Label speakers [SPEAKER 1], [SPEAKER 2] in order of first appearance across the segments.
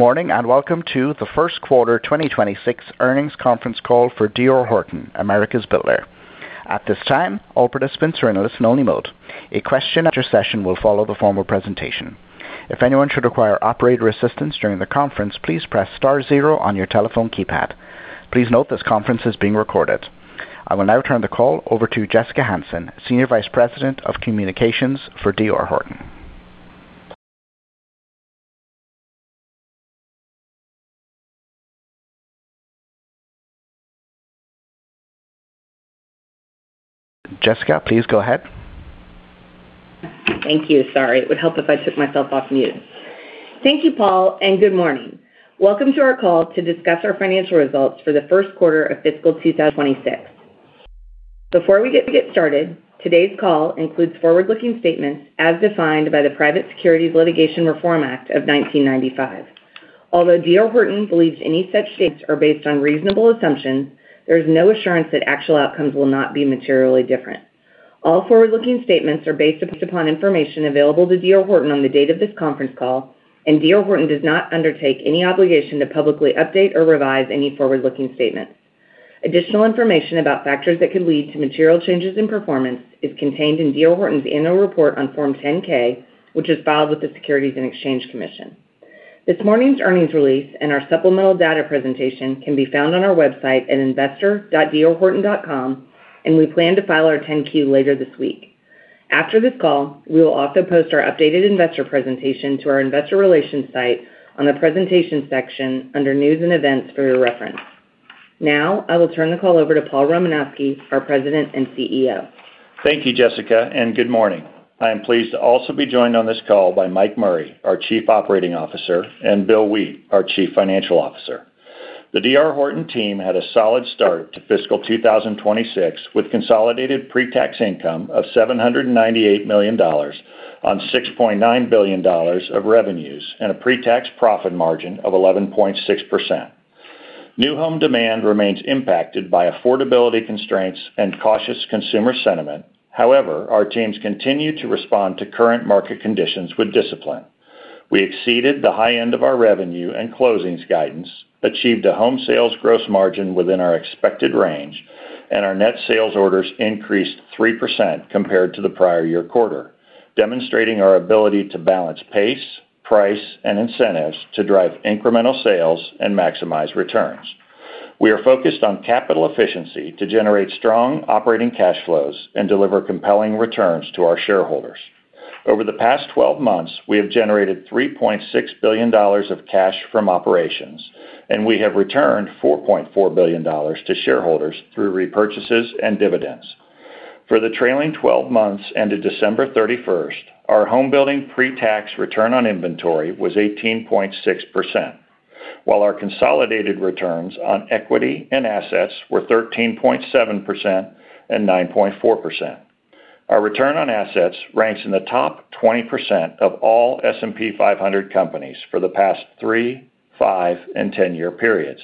[SPEAKER 1] Good morning and welcome to The First Quarter 2026 Earnings Conference Call for D.R. Horton, America's Builder. At this time, all participants are in a listen-only mode. A question-and-answer session will follow the formal presentation. If anyone should require operator assistance during the conference, please press star zero on your telephone keypad. Please note this conference is being recorded. I will now turn the call over to Jessica Hansen, Senior Vice President of Communications for D.R. Horton. Jessica, please go ahead.
[SPEAKER 2] Thank you. Sorry, it would help if I took myself off mute. Thank you, Paul, and good morning. Welcome to our call to discuss our financial results for the first quarter of fiscal 2026. Before we get started, today's call includes forward-looking statements as defined by the Private Securities Litigation Reform Act of 1995. Although D.R. Horton believes any such statements are based on reasonable assumptions, there is no assurance that actual outcomes will not be materially different. All forward-looking statements are based upon information available to D.R. Horton on the date of this conference call, and D.R. Horton does not undertake any obligation to publicly update or revise any forward-looking statements. Additional information about factors that could lead to material changes in performance is contained in D.R. Horton's annual report on Form 10-K, which is filed with the Securities and Exchange Commission. This morning's earnings release and our supplemental data presentation can be found on our website at investor.drhorton.com, and we plan to file our 10-Q later this week. After this call, we will also post our updated investor presentation to our investor relations site on the presentation section under News and Events for your reference. Now, I will turn the call over to Paul Romanowski, our President and CEO.
[SPEAKER 3] Thank you, Jessica, and good morning. I am pleased to also be joined on this call by Mike Murray, our Chief Operating Officer, and Bill Wheat, our Chief Financial Officer. The D.R. Horton team had a solid start to fiscal 2026 with consolidated pre-tax income of $798 million on $6.9 billion of revenues and a pre-tax profit margin of 11.6%. New home demand remains impacted by affordability constraints and cautious consumer sentiment. However, our teams continue to respond to current market conditions with discipline. We exceeded the high end of our revenue and closings guidance, achieved a home sales gross margin within our expected range, and our net sales orders increased 3% compared to the prior year quarter, demonstrating our ability to balance pace, price, and incentives to drive incremental sales and maximize returns. We are focused on capital efficiency to generate strong operating cash flows and deliver compelling returns to our shareholders. Over the past 12 months, we have generated $3.6 billion of cash from operations, and we have returned $4.4 billion to shareholders through repurchases and dividends. For the trailing 12 months ended December 31st, our home building pre-tax return on inventory was 18.6%, while our consolidated returns on equity and assets were 13.7% and 9.4%. Our return on assets ranks in the top 20% of all S&P 500 companies for the past three, five, and 10-year periods,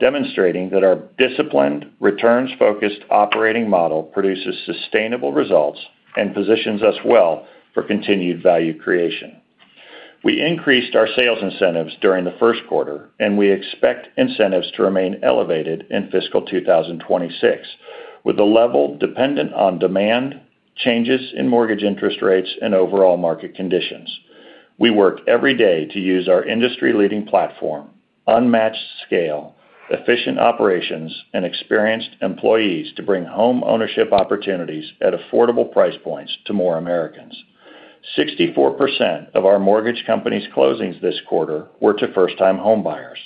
[SPEAKER 3] demonstrating that our disciplined, returns-focused operating model produces sustainable results and positions us well for continued value creation. We increased our sales incentives during the first quarter, and we expect incentives to remain elevated in fiscal 2026, with the level dependent on demand, changes in mortgage interest rates, and overall market conditions. We work every day to use our industry-leading platform, unmatched scale, efficient operations, and experienced employees to bring home ownership opportunities at affordable price points to more Americans. 64% of our mortgage company's closings this quarter were to first-time home buyers.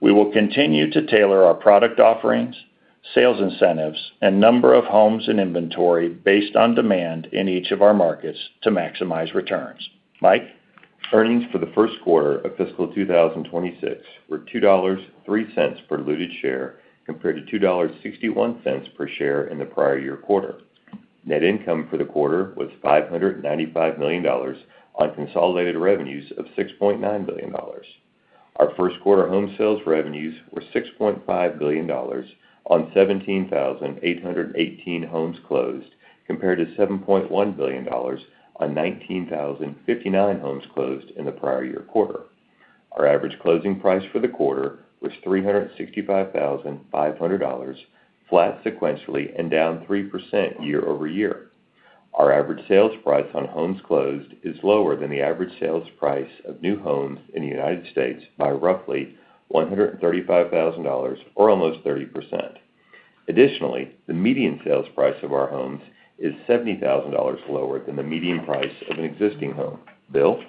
[SPEAKER 3] We will continue to tailor our product offerings, sales incentives, and number of homes in inventory based on demand in each of our markets to maximize returns. Mike.
[SPEAKER 4] Earnings for the first quarter of fiscal 2026 were $2.03 per diluted share compared to $2.61 per share in the prior year quarter. Net income for the quarter was $595 million on consolidated revenues of $6.9 billion. Our first quarter home sales revenues were $6.5 billion on 17,818 homes closed compared to $7.1 billion on 19,059 homes closed in the prior year quarter. Our average closing price for the quarter was $365,500, flat sequentially and down 3% year over year. Our average sales price on homes closed is lower than the average sales price of new homes in the United States by roughly $135,000, or almost 30%. Additionally, the median sales price of our homes is $70,000 lower than the median price of an existing home. Bill.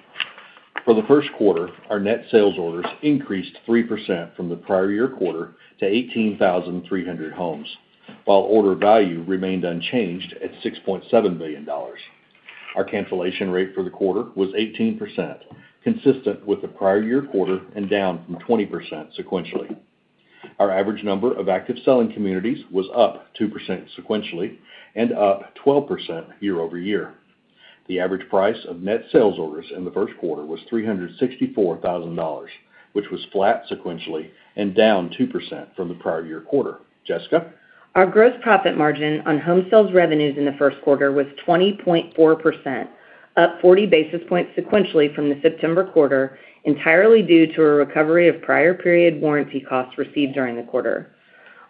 [SPEAKER 5] For the first quarter, our net sales orders increased 3% from the prior year quarter to 18,300 homes, while order value remained unchanged at $6.7 billion. Our cancellation rate for the quarter was 18%, consistent with the prior year quarter and down from 20% sequentially. Our average number of active selling communities was up 2% sequentially and up 12% year over year. The average price of net sales orders in the first quarter was $364,000, which was flat sequentially and down 2% from the prior year quarter. Jessica.
[SPEAKER 2] Our gross profit margin on home sales revenues in the first quarter was 20.4%, up 40 basis points sequentially from the September quarter, entirely due to a recovery of prior-period warranty costs received during the quarter.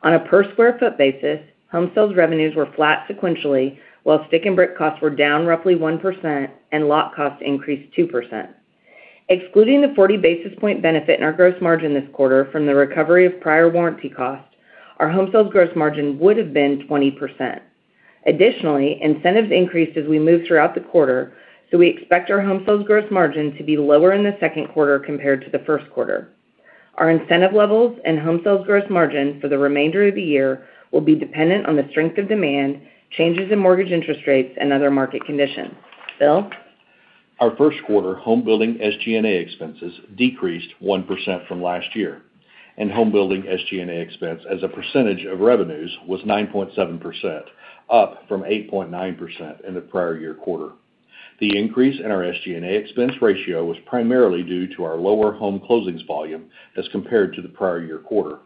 [SPEAKER 2] On a per-square-foot basis, home sales revenues were flat sequentially, while stick-and-brick costs were down roughly 1% and lot costs increased 2%. Excluding the 40 basis point benefit in our gross margin this quarter from the recovery of prior warranty costs, our home sales gross margin would have been 20%. Additionally, incentives increased as we moved throughout the quarter, so we expect our home sales gross margin to be lower in the second quarter compared to the first quarter. Our incentive levels and home sales gross margin for the remainder of the year will be dependent on the strength of demand, changes in mortgage interest rates, and other market conditions. Bill.
[SPEAKER 5] Our first quarter home building SG&A expenses decreased 1% from last year, and home building SG&A expense as a percentage of revenues was 9.7%, up from 8.9% in the prior year quarter. The increase in our SG&A expense ratio was primarily due to our lower home closings volume as compared to the prior year quarter.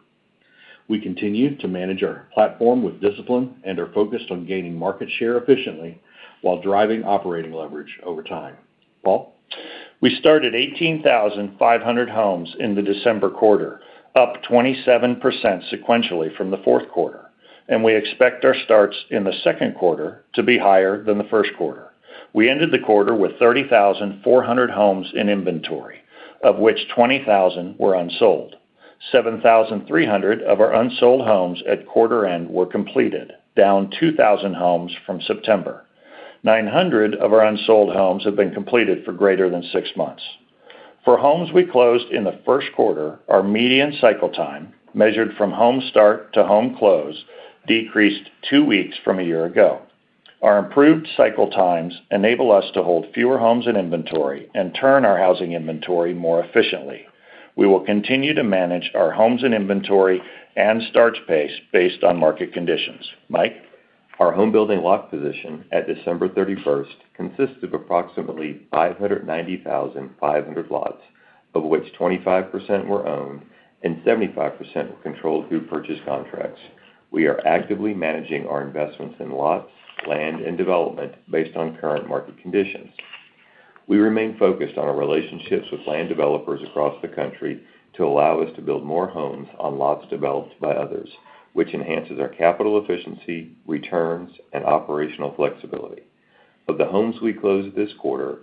[SPEAKER 5] We continue to manage our platform with discipline and are focused on gaining market share efficiently while driving operating leverage over time. Paul.
[SPEAKER 3] We started 18,500 homes in the December quarter, up 27% sequentially from the fourth quarter, and we expect our starts in the second quarter to be higher than the first quarter. We ended the quarter with 30,400 homes in inventory, of which 20,000 were unsold. 7,300 of our unsold homes at quarter end were completed, down 2,000 homes from September. 900 of our unsold homes have been completed for greater than six months. For homes we closed in the first quarter, our median cycle time, measured from home start to home close, decreased two weeks from a year ago. Our improved cycle times enable us to hold fewer homes in inventory and turn our housing inventory more efficiently. We will continue to manage our homes in inventory and starts pace based on market conditions. Mike.
[SPEAKER 4] Our home building lot position at December 31st consisted of approximately 590,500 lots, of which 25% were owned and 75% were controlled through purchase contracts. We are actively managing our investments in lots, land, and development based on current market conditions. We remain focused on our relationships with land developers across the country to allow us to build more homes on lots developed by others, which enhances our capital efficiency, returns, and operational flexibility. Of the homes we closed this quarter,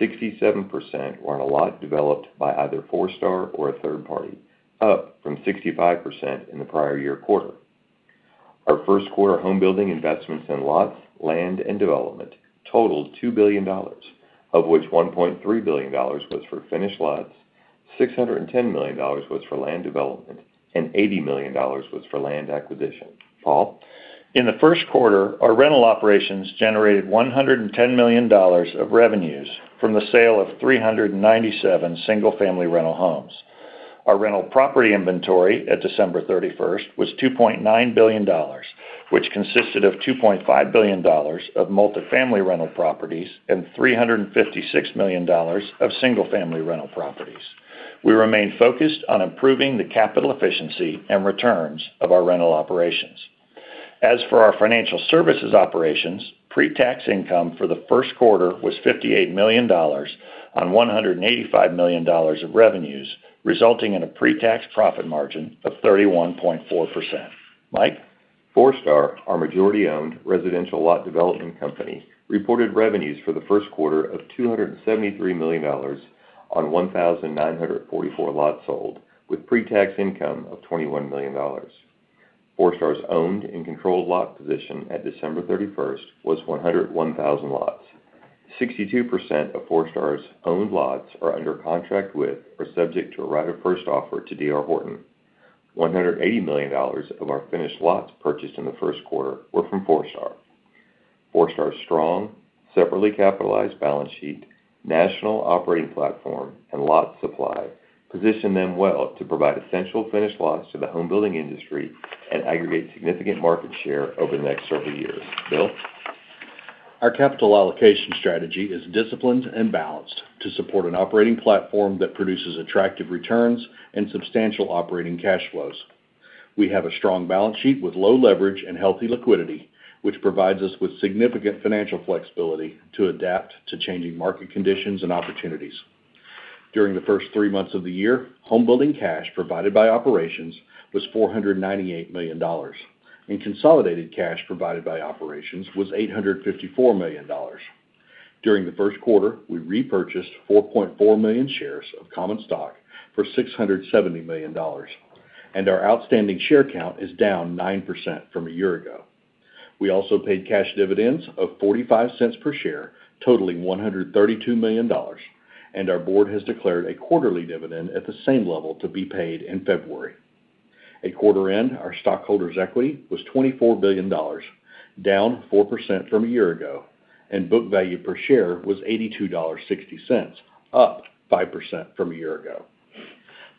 [SPEAKER 4] 67% were on a lot developed by either Forestar or a third party, up from 65% in the prior year quarter. Our first quarter home building investments in lots, land, and development totaled $2 billion, of which $1.3 billion was for finished lots, $610 million was for land development, and $80 million was for land acquisition. Paul.
[SPEAKER 3] In the first quarter, our rental operations generated $110 million of revenues from the sale of 397 single-family rental homes. Our rental property inventory at December 31st was $2.9 billion, which consisted of $2.5 billion of multifamily rental properties and $356 million of single-family rental properties. We remain focused on improving the capital efficiency and returns of our rental operations. As for our financial services operations, pre-tax income for the first quarter was $58 million on $185 million of revenues, resulting in a pre-tax profit margin of 31.4%. Mike.
[SPEAKER 4] Forestar, our majority-owned residential lot development company, reported revenues for the first quarter of $273 million on 1,944 lots sold, with pre-tax income of $21 million. Forestar's owned and controlled lot position at December 31st was 101,000 lots. 62% of Forestar's owned lots are under contract with or subject to a right of first offer to D.R. Horton. $180 million of our finished lots purchased in the first quarter were from Forestar. Forestar's strong, separately capitalized balance sheet, national operating platform, and lot supply position them well to provide essential finished lots to the home building industry and aggregate significant market share over the next several years. Bill.
[SPEAKER 5] Our capital allocation strategy is disciplined and balanced to support an operating platform that produces attractive returns and substantial operating cash flows. We have a strong balance sheet with low leverage and healthy liquidity, which provides us with significant financial flexibility to adapt to changing market conditions and opportunities. During the first three months of the year, home building cash provided by operations was $498 million, and consolidated cash provided by operations was $854 million. During the first quarter, we repurchased 4.4 million shares of common stock for $670 million, and our outstanding share count is down 9% from a year ago. We also paid cash dividends of $0.45 per share, totaling $132 million, and our board has declared a quarterly dividend at the same level to be paid in February. At quarter end, our stockholders' equity was $24 billion, down 4% from a year ago, and book value per share was $82.60, up 5% from a year ago.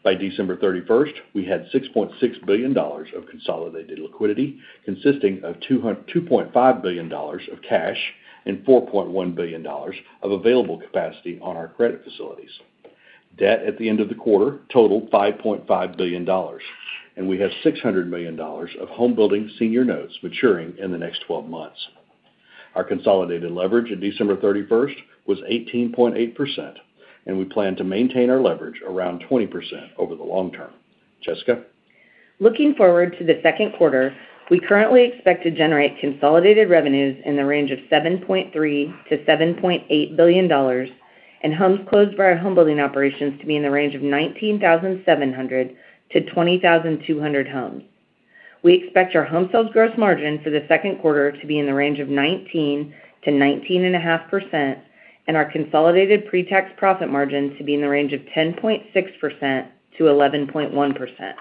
[SPEAKER 5] By December 31st, we had $6.6 billion of consolidated liquidity, consisting of $2.5 billion of cash and $4.1 billion of available capacity on our credit facilities. Debt at the end of the quarter totaled $5.5 billion, and we have $600 million of home building senior notes maturing in the next 12 months. Our consolidated leverage at December 31st was 18.8%, and we plan to maintain our leverage around 20% over the long term. Jessica.
[SPEAKER 2] Looking forward to the second quarter, we currently expect to generate consolidated revenues in the range of $7.3 billion-$7.8 billion, and homes closed by our home building operations to be in the range of 19,700-20,200 homes. We expect our home sales gross margin for the second quarter to be in the range of 19%-19.5%, and our consolidated pre-tax profit margin to be in the range of 10.6%-11.1%.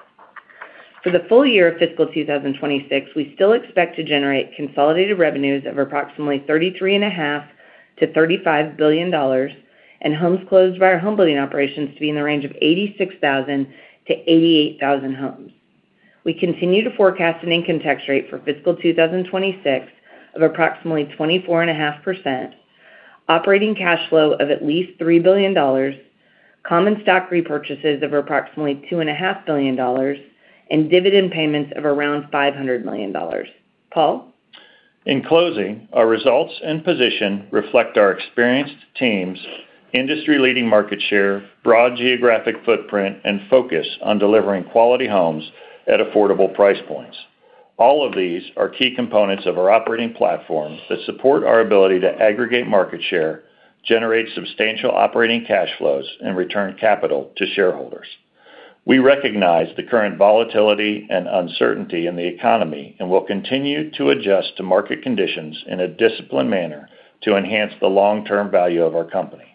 [SPEAKER 2] For the full year of fiscal 2026, we still expect to generate consolidated revenues of approximately $33.5 billion-$35 billion, and homes closed by our home building operations to be in the range of 86,000 homes-88,000 homes. We continue to forecast an income tax rate for fiscal 2026 of approximately 24.5%, operating cash flow of at least $3 billion, common stock repurchases of approximately $2.5 billion, and dividend payments of around $500 million. Paul.
[SPEAKER 3] In closing, our results and position reflect our experienced teams, industry-leading market share, broad geographic footprint, and focus on delivering quality homes at affordable price points. All of these are key components of our operating platform that support our ability to aggregate market share, generate substantial operating cash flows, and return capital to shareholders. We recognize the current volatility and uncertainty in the economy and will continue to adjust to market conditions in a disciplined manner to enhance the long-term value of our company.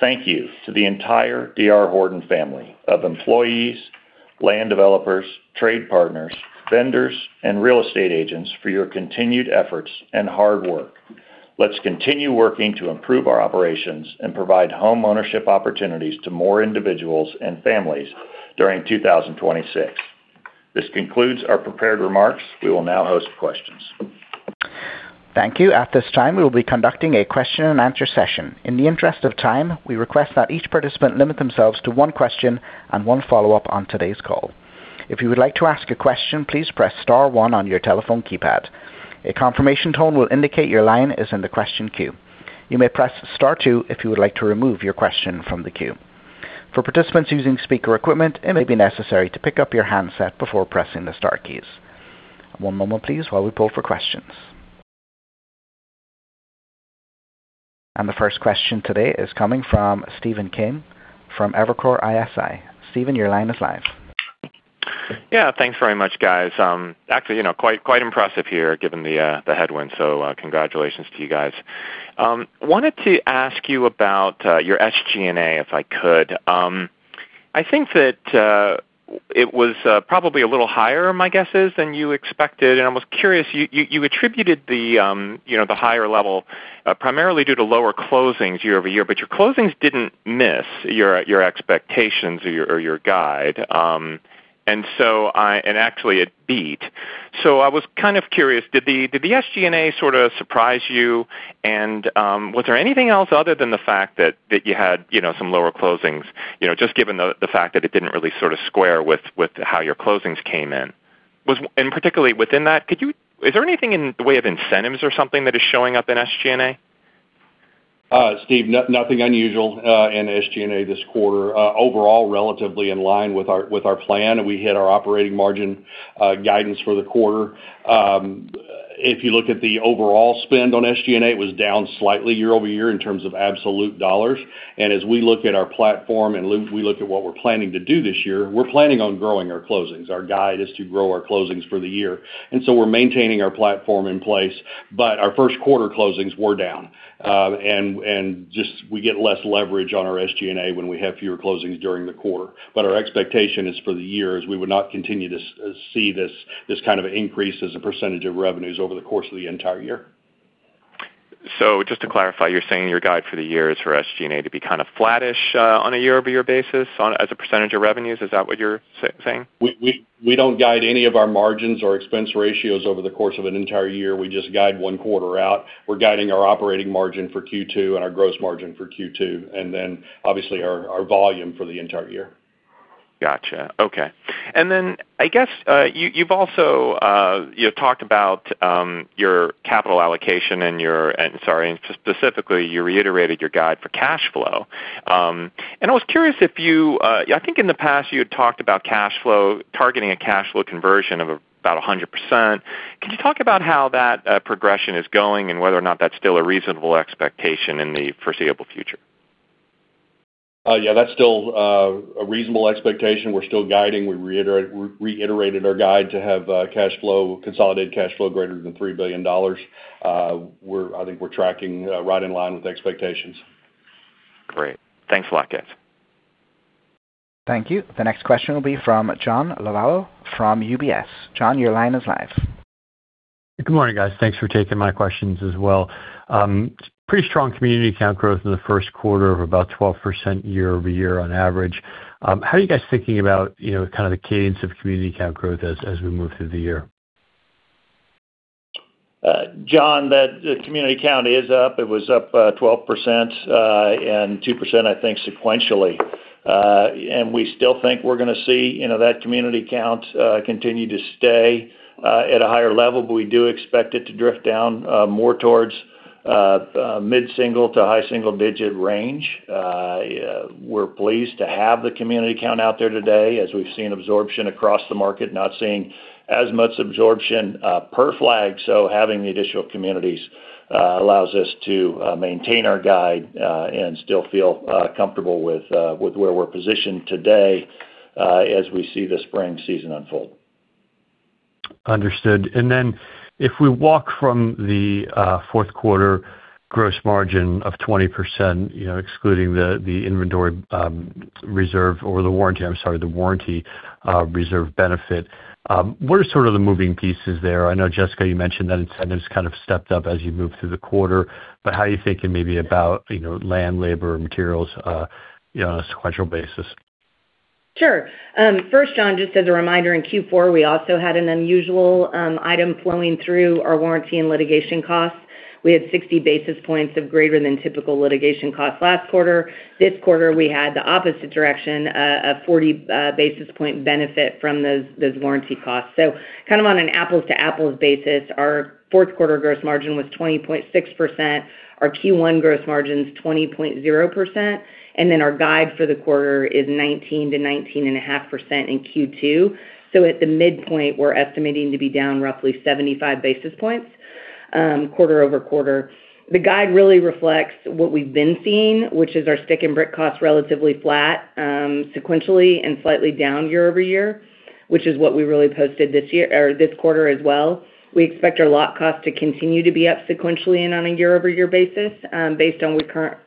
[SPEAKER 3] Thank you to the entire D.R. Horton family of employees, land developers, trade partners, vendors, and real estate agents for your continued efforts and hard work. Let's continue working to improve our operations and provide home ownership opportunities to more individuals and families during 2026. This concludes our prepared remarks. We will now host questions.
[SPEAKER 1] Thank you. At this time, we will be conducting a question-and-answer session. In the interest of time, we request that each participant limit themselves to one question and one follow-up on today's call. If you would like to ask a question, please press Star one on your telephone keypad. A confirmation tone will indicate your line is in the question queue. You may press Star two if you would like to remove your question from the queue. For participants using speaker equipment, it may be necessary to pick up your handset before pressing the Star keys. One moment, please, while we pull for questions. And the first question today is coming from Stephen Kim from Evercore ISI. Stephen, your line is live.
[SPEAKER 6] Yeah, thanks very much, guys. Actually, quite impressive here given the headwind, so congratulations to you guys. Wanted to ask you about your SG&A if I could. I think that it was probably a little higher, my guess is, than you expected, and I was curious. You attributed the higher level primarily due to lower closings year over year, but your closings didn't miss your expectations or your guide, and actually, it beat, so I was kind of curious, did the SG&A sort of surprise you, and was there anything else other than the fact that you had some lower closings, just given the fact that it didn't really sort of square with how your closings came in, and particularly within that, is there anything in the way of incentives or something that is showing up in SG&A?
[SPEAKER 3] Steve, nothing unusual in SG&A this quarter. Overall, relatively in line with our plan, we hit our operating margin guidance for the quarter. If you look at the overall spend on SG&A, it was down slightly year over year in terms of absolute dollars, and as we look at our platform and we look at what we're planning to do this year, we're planning on growing our closings. Our guide is to grow our closings for the year, and so we're maintaining our platform in place, but our first quarter closings were down. And we get less leverage on our SG&A when we have fewer closings during the quarter, but our expectation is for the year is we would not continue to see this kind of increase as a percentage of revenues over the course of the entire year.
[SPEAKER 6] So just to clarify, you're saying your guide for the year is for SG&A to be kind of flattish on a year-over-year basis as a percentage of revenues. Is that what you're saying?
[SPEAKER 3] We don't guide any of our margins or expense ratios over the course of an entire year. We just guide one quarter out. We're guiding our operating margin for Q2 and our gross margin for Q2, and then obviously our volume for the entire year.
[SPEAKER 6] Gotcha. Okay. And then I guess you've also talked about your capital allocation and your, sorry, specifically, you reiterated your guide for cash flow. And I was curious if you, I think in the past you had talked about cash flow targeting a cash flow conversion of about 100%. Can you talk about how that progression is going and whether or not that's still a reasonable expectation in the foreseeable future?
[SPEAKER 3] Yeah, that's still a reasonable expectation. We're still guiding. We reiterated our guide to have cash flow, consolidated cash flow greater than $3 billion. I think we're tracking right in line with expectations.
[SPEAKER 6] Great. Thanks a lot, guys.
[SPEAKER 1] Thank you. The next question will be from John Lovallo from UBS. John, your line is live.
[SPEAKER 7] Good morning, guys. Thanks for taking my questions as well. Pretty strong community count growth in the first quarter of about 12% year over year on average. How are you guys thinking about kind of the cadence of community count growth as we move through the year?
[SPEAKER 3] John, the community count is up. It was up 12% and 2%, I think, sequentially, and we still think we're going to see that community count continue to stay at a higher level, but we do expect it to drift down more towards mid-single to high-single digit range. We're pleased to have the community count out there today as we've seen absorption across the market, not seeing as much absorption per community, so having the additional communities allows us to maintain our guidance and still feel comfortable with where we're positioned today as we see the spring season unfold.
[SPEAKER 7] Understood. And then if we walk from the fourth quarter gross margin of 20%, excluding the inventory reserve or the warranty-I'm sorry, the warranty reserve benefit, what are sort of the moving pieces there? I know, Jessica, you mentioned that incentives kind of stepped up as you moved through the quarter, but how are you thinking maybe about land, labor, and materials on a sequential basis?
[SPEAKER 2] Sure. First, John, just as a reminder, in Q4, we also had an unusual item flowing through our warranty and litigation costs. We had 60 basis points of greater than typical litigation costs last quarter. This quarter, we had the opposite direction, a 40 basis point benefit from those warranty costs. So kind of on an apples-to-apples basis, our fourth quarter gross margin was 20.6%, our Q1 gross margin's 20.0%, and then our guide for the quarter is 19%-19.5% in Q2. So at the midpoint, we're estimating to be down roughly 75 basis points quarter over quarter. The guide really reflects what we've been seeing, which is our stick and brick costs relatively flat sequentially and slightly down year over year, which is what we really posted this year or this quarter as well. We expect our lot costs to continue to be up sequentially and on a year-over-year basis based on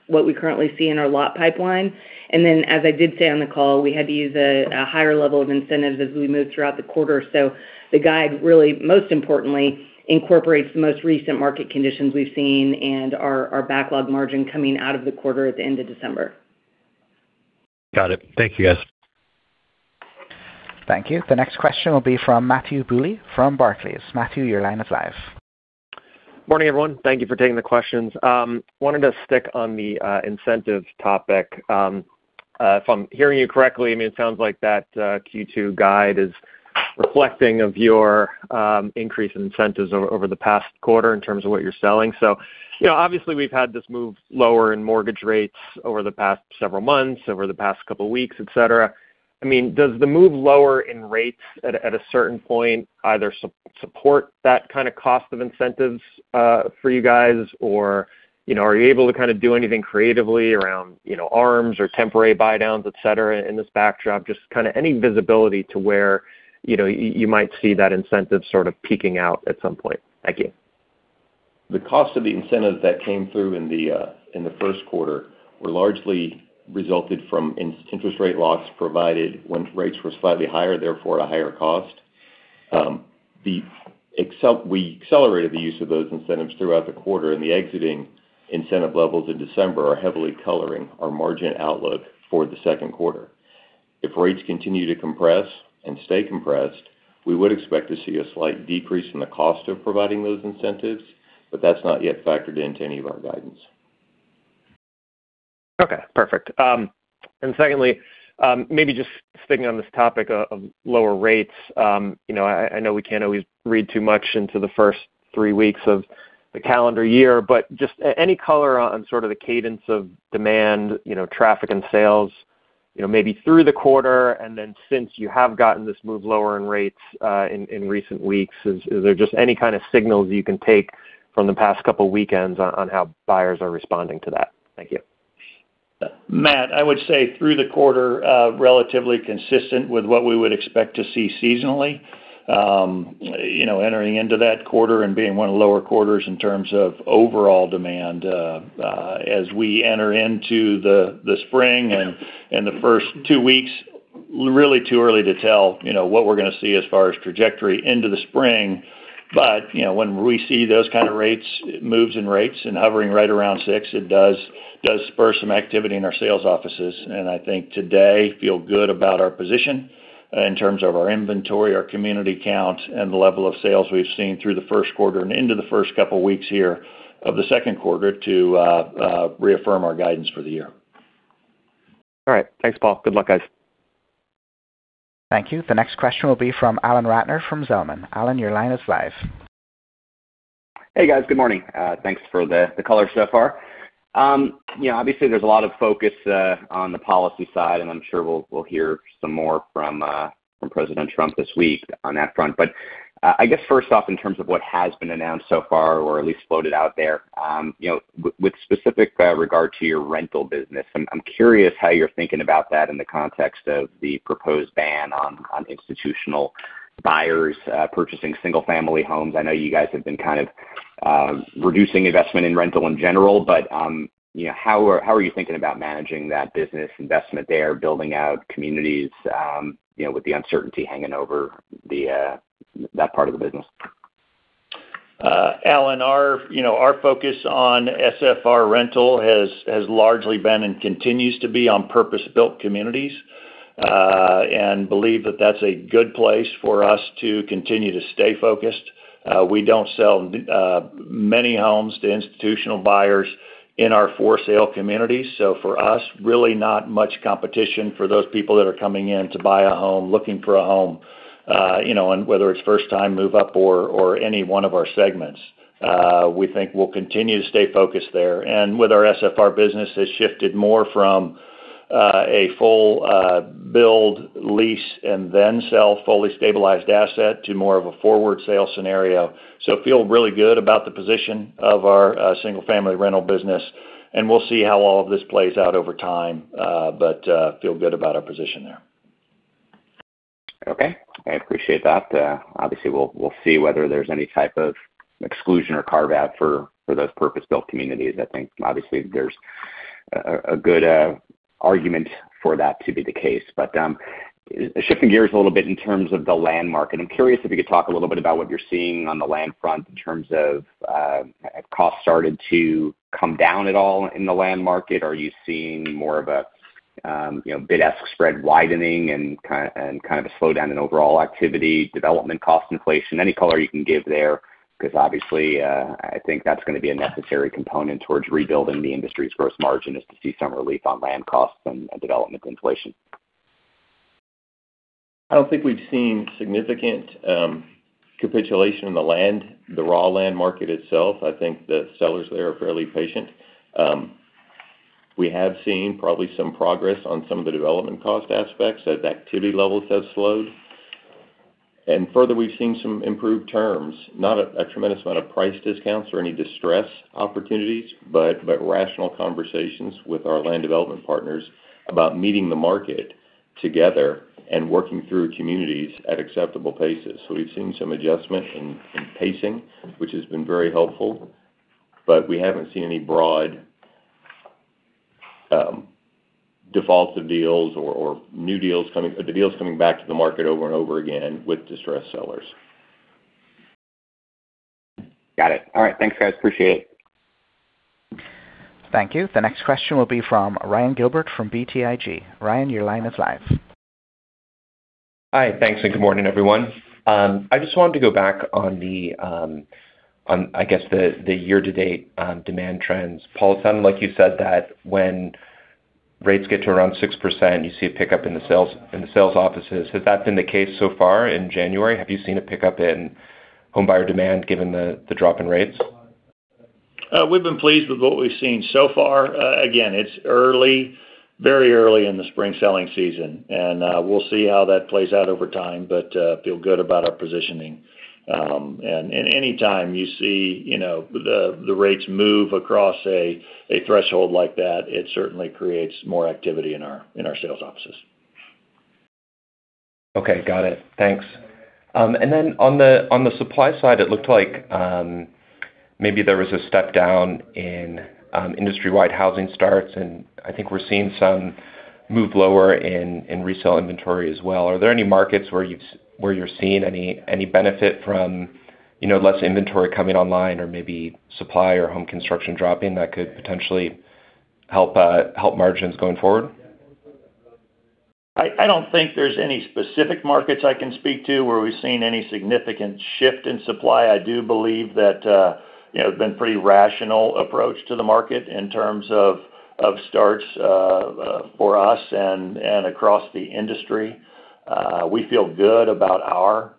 [SPEAKER 2] what we currently see in our lot pipeline. And then, as I did say on the call, we had to use a higher level of incentives as we moved throughout the quarter. So the guide really, most importantly, incorporates the most recent market conditions we've seen and our backlog margin coming out of the quarter at the end of December.
[SPEAKER 7] Got it. Thank you, guys.
[SPEAKER 1] Thank you. The next question will be from Matthew Bouley from Barclays. Matthew, your line is live.
[SPEAKER 8] Morning, everyone. Thank you for taking the questions. Wanted to stick on the incentive topic. If I'm hearing you correctly, I mean, it sounds like that Q2 guide is reflecting your increase in incentives over the past quarter in terms of what you're selling. So obviously, we've had this move lower in mortgage rates over the past several months, over the past couple of weeks, etc. I mean, does the move lower in rates at a certain point either support that kind of cost of incentives for you guys, or are you able to kind of do anything creatively around ARMs or temporary buy-downs, etc., in this backdrop? Just kind of any visibility to where you might see that incentive sort of peaking out at some point. Thank you.
[SPEAKER 4] The cost of the incentive that came through in the first quarter largely resulted from interest rate buy-downs provided when rates were slightly higher, therefore a higher cost. We accelerated the use of those incentives throughout the quarter, and the existing incentive levels in December are heavily coloring our margin outlook for the second quarter. If rates continue to compress and stay compressed, we would expect to see a slight decrease in the cost of providing those incentives, but that's not yet factored into any of our guidance.
[SPEAKER 8] Okay. Perfect. And secondly, maybe just sticking on this topic of lower rates, I know we can't always read too much into the first three weeks of the calendar year, but just any color on sort of the cadence of demand, traffic, and sales, maybe through the quarter, and then since you have gotten this move lower in rates in recent weeks, is there just any kind of signals you can take from the past couple of weekends on how buyers are responding to that? Thank you.
[SPEAKER 3] Matt, I would say through the quarter, relatively consistent with what we would expect to see seasonally. Entering into that quarter and being one of the lower quarters in terms of overall demand as we enter into the spring and the first two weeks, really too early to tell what we're going to see as far as trajectory into the spring. But when we see those kind of moves in rates and hovering right around six, it does spur some activity in our sales offices. And I think today we feel good about our position in terms of our inventory, our community count, and the level of sales we've seen through the first quarter and into the first couple of weeks here of the second quarter to reaffirm our guidance for the year.
[SPEAKER 8] All right. Thanks, Paul. Good luck, guys.
[SPEAKER 1] Thank you. The next question will be from Alan Ratner from Zelman. Alan, your line is live.
[SPEAKER 9] Hey, guys. Good morning. Thanks for the color so far. Obviously, there's a lot of focus on the policy side, and I'm sure we'll hear some more from President Trump this week on that front. But I guess first off, in terms of what has been announced so far or at least floated out there, with specific regard to your rental business, I'm curious how you're thinking about that in the context of the proposed ban on institutional buyers purchasing single-family homes. I know you guys have been kind of reducing investment in rental in general, but how are you thinking about managing that business investment there, building out communities with the uncertainty hanging over that part of the business?
[SPEAKER 3] Alan, our focus on SFR rental has largely been and continues to be on purpose-built communities and believe that that's a good place for us to continue to stay focused. We don't sell many homes to institutional buyers in our for-sale communities. So for us, really not much competition for those people that are coming in to buy a home, looking for a home, and whether it's first-time move-up or any one of our segments. We think we'll continue to stay focused there. And with our SFR business, it's shifted more from a full build, lease, and then sell fully stabilized asset to more of a forward sale scenario. So feel really good about the position of our single-family rental business. And we'll see how all of this plays out over time, but feel good about our position there.
[SPEAKER 9] Okay. I appreciate that. Obviously, we'll see whether there's any type of exclusion or carve-out for those purpose-built communities. I think obviously there's a good argument for that to be the case. But shifting gears a little bit in terms of the land market, I'm curious if you could talk a little bit about what you're seeing on the land front in terms of have costs started to come down at all in the land market? Are you seeing more of a bid-ask spread widening and kind of a slowdown in overall activity, development cost inflation? Any color you can give there because obviously I think that's going to be a necessary component towards rebuilding the industry's gross margin is to see some relief on land costs and development inflation.
[SPEAKER 4] I don't think we've seen significant capitulation in the raw land market itself. I think the sellers there are fairly patient. We have seen probably some progress on some of the development cost aspects as activity levels have slowed. And further, we've seen some improved terms, not a tremendous amount of price discounts or any distress opportunities, but rational conversations with our land development partners about meeting the market together and working through communities at acceptable paces. So we've seen some adjustment in pacing, which has been very helpful, but we haven't seen any broad defaulted deals or new deals coming back to the market over and over again with distressed sellers.
[SPEAKER 9] Got it. All right. Thanks, guys. Appreciate it.
[SPEAKER 1] Thank you. The next question will be from Ryan Gilbert from BTIG. Ryan, your line is live.
[SPEAKER 10] Hi. Thanks and good morning, everyone. I just wanted to go back on, I guess, the year-to-date demand trends. Paul, it sounded like you said that when rates get to around 6%, you see a pickup in the sales offices. Has that been the case so far in January? Have you seen a pickup in home buyer demand given the drop in rates?
[SPEAKER 3] We've been pleased with what we've seen so far. Again, it's very early in the spring selling season, and we'll see how that plays out over time, but feel good about our positioning, and anytime you see the rates move across a threshold like that, it certainly creates more activity in our sales offices.
[SPEAKER 10] Okay. Got it. Thanks. And then on the supply side, it looked like maybe there was a step down in industry-wide housing starts, and I think we're seeing some move lower in resale inventory as well. Are there any markets where you're seeing any benefit from less inventory coming online or maybe supply or home construction dropping that could potentially help margins going forward?
[SPEAKER 3] I don't think there's any specific markets I can speak to where we've seen any significant shift in supply. I do believe that it's been a pretty rational approach to the market in terms of starts for us and across the industry. We feel good about our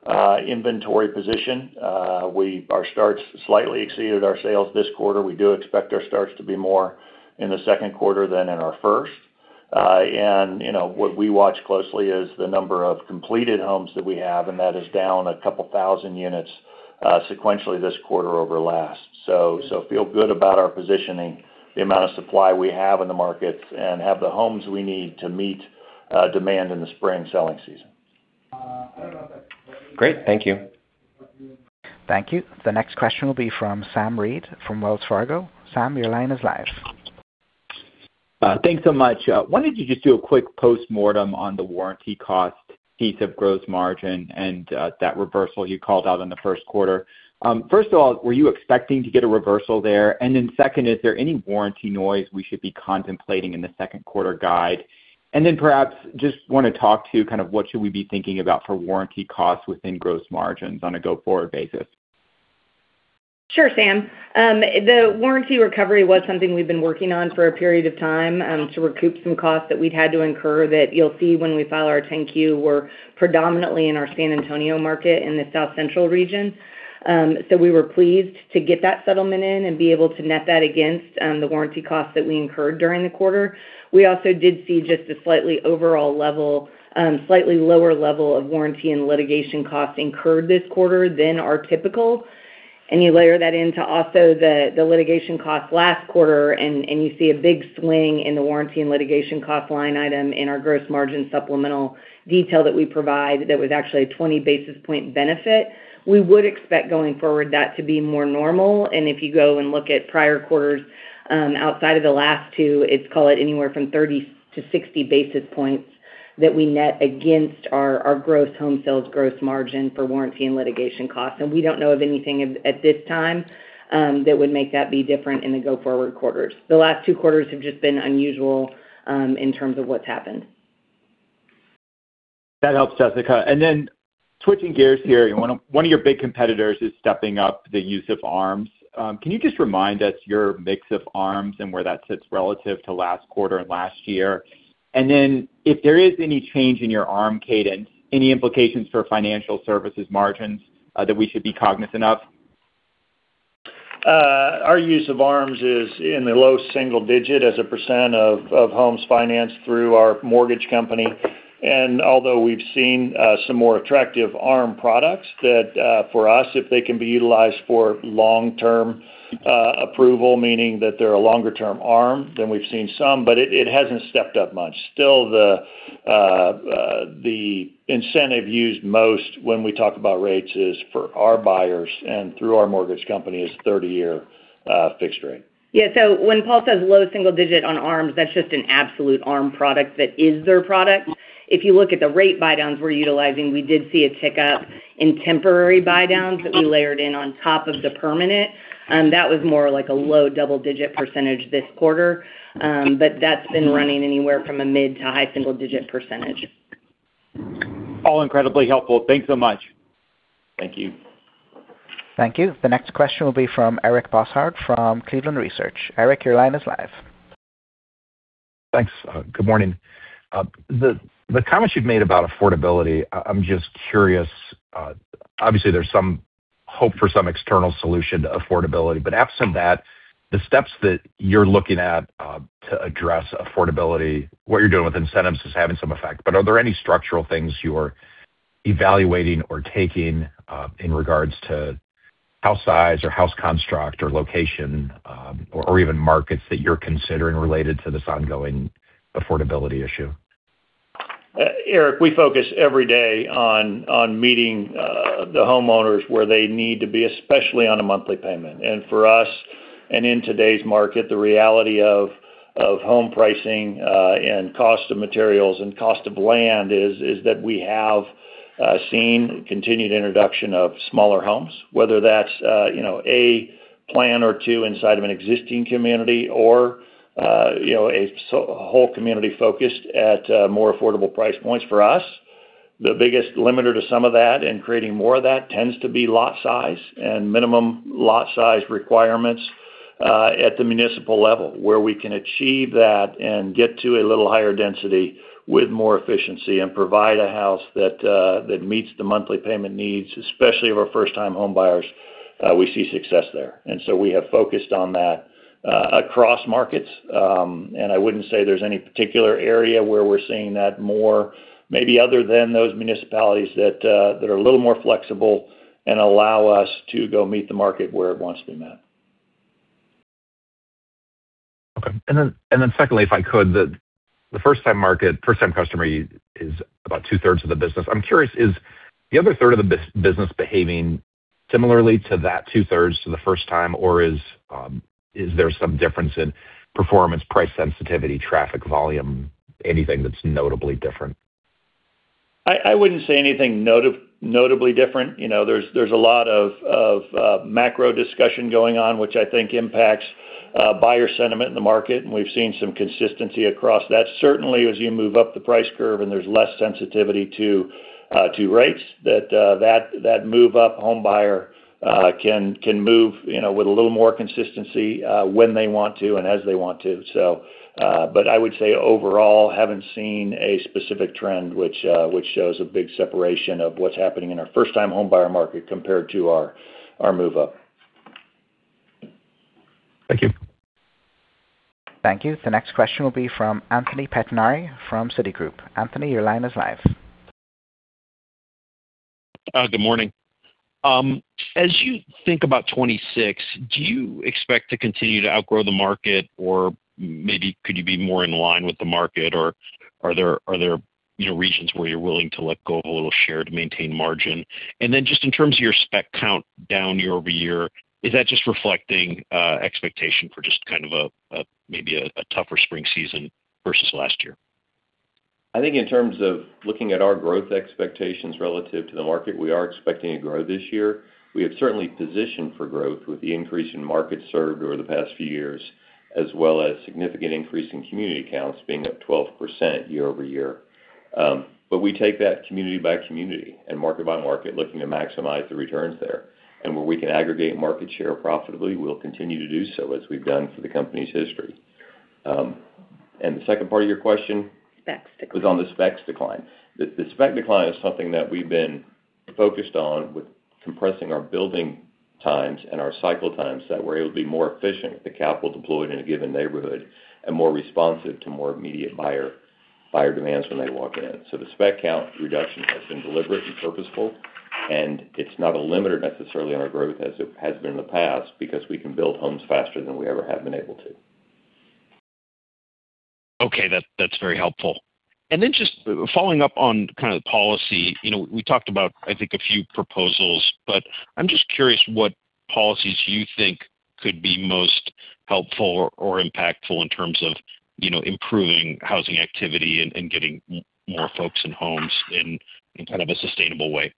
[SPEAKER 3] inventory position. Our starts slightly exceeded our sales this quarter. We do expect our starts to be more in the second quarter than in our first. And what we watch closely is the number of completed homes that we have, and that is down a couple thousand units sequentially this quarter over last. So feel good about our positioning, the amount of supply we have in the markets, and have the homes we need to meet demand in the spring selling season.
[SPEAKER 10] Great. Thank you.
[SPEAKER 1] Thank you. The next question will be from Sam Reid from Wells Fargo. Sam, your line is live.
[SPEAKER 11] Thanks so much. I wanted to just do a quick post-mortem on the warranty cost piece of gross margin and that reversal you called out in the first quarter. First of all, were you expecting to get a reversal there? And then second, is there any warranty noise we should be contemplating in the second quarter guide? And then perhaps just want to talk to kind of what should we be thinking about for warranty costs within gross margins on a go-forward basis?
[SPEAKER 2] Sure, Sam. The warranty recovery was something we've been working on for a period of time to recoup some costs that we'd had to incur that you'll see when we file our 10-Q. We're predominantly in our San Antonio market in the South Central region. So we were pleased to get that settlement in and be able to net that against the warranty costs that we incurred during the quarter. We also did see just a slightly lower level of warranty and litigation costs incurred this quarter than our typical. And you layer that into also the litigation costs last quarter, and you see a big swing in the warranty and litigation cost line item in our gross margin supplemental detail that we provide that was actually a 20 basis point benefit. We would expect going forward that to be more normal. If you go and look at prior quarters outside of the last two, it's called anywhere from 30 basis points-60 basis points that we net against our gross home sales gross margin for warranty and litigation costs. We don't know of anything at this time that would make that be different in the go-forward quarters. The last two quarters have just been unusual in terms of what's happened.
[SPEAKER 11] That helps, Jessica. And then switching gears here, one of your big competitors is stepping up the use of ARMs. Can you just remind us your mix of ARMs and where that sits relative to last quarter and last year? And then if there is any change in your ARM cadence, any implications for financial services margins that we should be cognizant of?
[SPEAKER 3] Our use of ARMs is in the low single digit as a percent of homes financed through our mortgage company. And although we've seen some more attractive ARM products, for us, if they can be utilized for long-term approval, meaning that they're a longer-term ARM, then we've seen some, but it hasn't stepped up much. Still, the incentive used most when we talk about rates is for our buyers and through our mortgage company is 30-year fixed rate.
[SPEAKER 2] Yeah. So when Paul says low single-digit on ARMs, that's just an absolute ARM product that is their product. If you look at the rate buy-downs we're utilizing, we did see a tick up in temporary buy-downs that we layered in on top of the permanent. That was more like a low double-digit percentage this quarter, but that's been running anywhere from a mid to high single-digit percentage.
[SPEAKER 11] All incredibly helpful. Thanks so much.
[SPEAKER 3] Thank you.
[SPEAKER 1] Thank you. The next question will be from Eric Bosshard from Cleveland Research. Eric, your line is live.
[SPEAKER 12] Thanks. Good morning. The comments you've made about affordability, I'm just curious. Obviously, there's some hope for some external solution to affordability, but absent that, the steps that you're looking at to address affordability, what you're doing with incentives is having some effect, but are there any structural things you're evaluating or taking in regards to house size or house construct or location or even markets that you're considering related to this ongoing affordability issue?
[SPEAKER 3] Eric, we focus every day on meeting the homeowners where they need to be, especially on a monthly payment. And for us, and in today's market, the reality of home pricing and cost of materials and cost of land is that we have seen continued introduction of smaller homes, whether that's a plan or two inside of an existing community or a whole community focused at more affordable price points. For us, the biggest limiter to some of that and creating more of that tends to be lot size and minimum lot size requirements at the municipal level where we can achieve that and get to a little higher density with more efficiency and provide a house that meets the monthly payment needs, especially of our first-time home buyers. We see success there. And so we have focused on that across markets, and I wouldn't say there's any particular area where we're seeing that more, maybe other than those municipalities that are a little more flexible and allow us to go meet the market where it wants to be met.
[SPEAKER 12] Okay. And then secondly, if I could, the first-time market, first-time customer is about 2/3 of the business. I'm curious, is the other third of the business behaving similarly to that 2/3 to the first time, or is there some difference in performance, price sensitivity, traffic volume, anything that's notably different?
[SPEAKER 3] I wouldn't say anything notably different. There's a lot of macro discussion going on, which I think impacts buyer sentiment in the market, and we've seen some consistency across that. Certainly, as you move up the price curve and there's less sensitivity to rates, that move-up home buyer can move with a little more consistency when they want to and as they want to. But I would say overall, haven't seen a specific trend which shows a big separation of what's happening in our first-time home buyer market compared to our move-up.
[SPEAKER 12] Thank you.
[SPEAKER 1] Thank you. The next question will be from Anthony Pettinari from Citigroup. Anthony, your line is live.
[SPEAKER 13] Good morning. As you think about 2026, do you expect to continue to outgrow the market, or maybe could you be more in line with the market, or are there regions where you're willing to let go of a little share to maintain margin? And then just in terms of your spec count down year over year, is that just reflecting expectation for just kind of maybe a tougher spring season versus last year?
[SPEAKER 4] I think in terms of looking at our growth expectations relative to the market, we are expecting a growth this year. We have certainly positioned for growth with the increase in market served over the past few years, as well as significant increase in community counts being up 12% year over year. But we take that community by community and market by market, looking to maximize the returns there. And where we can aggregate market share profitably, we'll continue to do so as we've done for the company's history. And the second part of your question?
[SPEAKER 2] Specs decline.
[SPEAKER 4] Was on the specs decline. The spec decline is something that we've been focused on with compressing our building times and our cycle times so that we're able to be more efficient with the capital deployed in a given neighborhood and more responsive to more immediate buyer demands when they walk in. So the spec count reduction has been deliberate and purposeful, and it's not a limiter necessarily on our growth as it has been in the past because we can build homes faster than we ever have been able to.
[SPEAKER 13] Okay. That's very helpful. And then just following up on kind of the policy, we talked about, I think, a few proposals, but I'm just curious what policies you think could be most helpful or impactful in terms of improving housing activity and getting more folks in homes in kind of a sustainable way?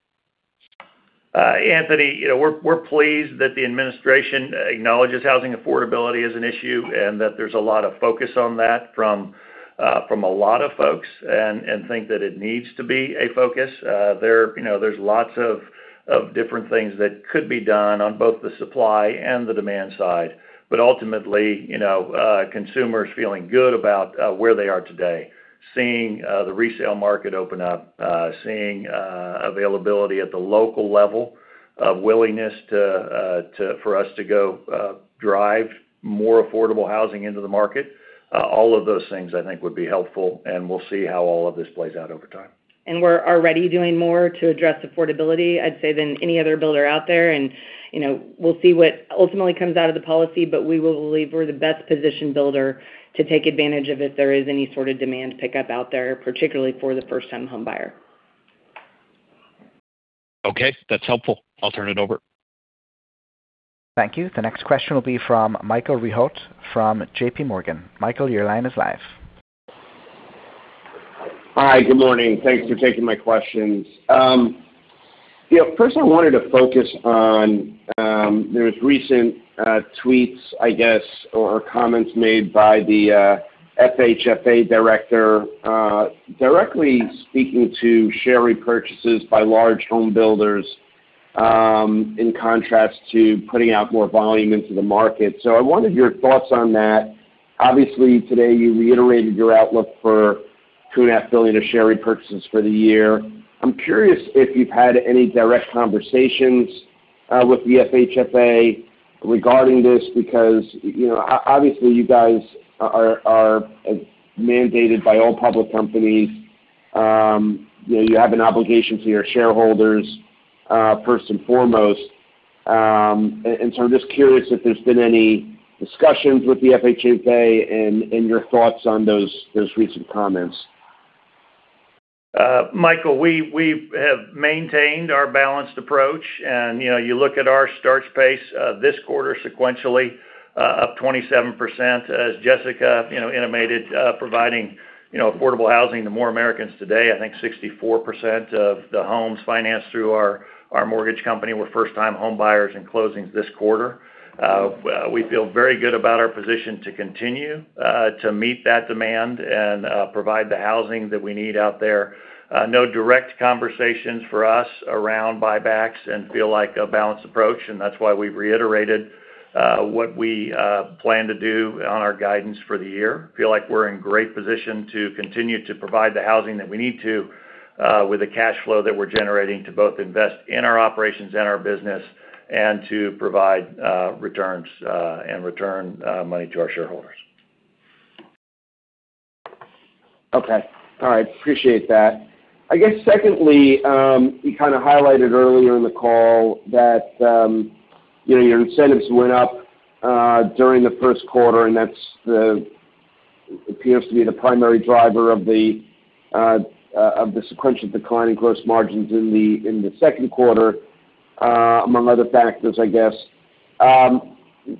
[SPEAKER 3] Anthony, we're pleased that the administration acknowledges housing affordability as an issue and that there's a lot of focus on that from a lot of folks and think that it needs to be a focus. There's lots of different things that could be done on both the supply and the demand side, but ultimately, consumers feeling good about where they are today, seeing the resale market open up, seeing availability at the local level of willingness for us to go drive more affordable housing into the market, all of those things, I think, would be helpful, and we'll see how all of this plays out over time.
[SPEAKER 2] And we're already doing more to address affordability, I'd say, than any other builder out there. And we'll see what ultimately comes out of the policy, but we will believe we're the best-positioned builder to take advantage of if there is any sort of demand pickup out there, particularly for the first-time home buyer.
[SPEAKER 13] Okay. That's helpful. I'll turn it over.
[SPEAKER 1] Thank you. The next question will be from Michael Rehaut from J.P. Morgan. Michael, your line is live.
[SPEAKER 14] Hi. Good morning. Thanks for taking my questions. First, I wanted to focus on there are recent tweets, I guess, or comments made by the FHFA director directly speaking to share repurchases by large home builders in contrast to putting out more volume into the market. So I wanted your thoughts on that. Obviously, today, you reiterated your outlook for $2.5 billion of share repurchases for the year. I'm curious if you've had any direct conversations with the FHFA regarding this because obviously, you guys are mandated by all public companies. You have an obligation to your shareholders first and foremost. And so I'm just curious if there's been any discussions with the FHFA and your thoughts on those recent comments.
[SPEAKER 3] Michael, we have maintained our balanced approach. You look at our start pace this quarter sequentially of 27%, as Jessica intimated, providing affordable housing to more Americans today. I think 64% of the homes financed through our mortgage company were first-time home buyers and closings this quarter. We feel very good about our position to continue to meet that demand and provide the housing that we need out there. No direct conversations for us around buybacks and feel like a balanced approach, and that's why we've reiterated what we plan to do on our guidance for the year. Feel like we're in great position to continue to provide the housing that we need to with the cash flow that we're generating to both invest in our operations and our business and to provide returns and return money to our shareholders.
[SPEAKER 14] Okay. All right. Appreciate that. I guess secondly, you kind of highlighted earlier in the call that your incentives went up during the first quarter, and that appears to be the primary driver of the sequential decline in gross margins in the second quarter among other factors, I guess.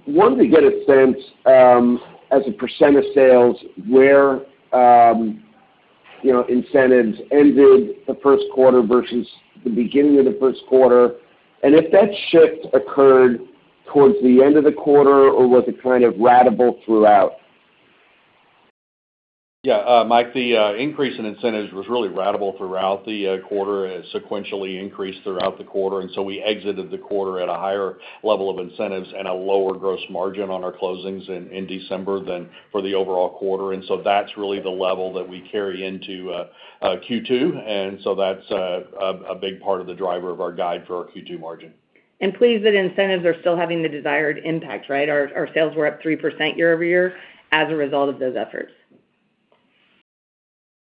[SPEAKER 14] Wanted to get a sense as a percent of sales where incentives ended the first quarter versus the beginning of the first quarter, and if that shift occurred towards the end of the quarter, or was it kind of ratable throughout?
[SPEAKER 3] Yeah. Mike, the increase in incentives was really ratable throughout the quarter. It sequentially increased throughout the quarter, and so we exited the quarter at a higher level of incentives and a lower gross margin on our closings in December than for the overall quarter. And so that's really the level that we carry into Q2, and so that's a big part of the driver of our guide for our Q2 margin.
[SPEAKER 2] And, please, that incentives are still having the desired impact, right? Our sales were up three% year over year as a result of those efforts.